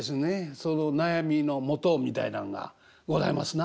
その悩みのもとみたいなのがございますな。